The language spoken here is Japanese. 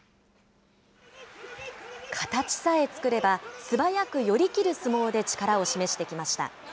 形さえ作れば、素早く寄り切る相撲で力を示してきました。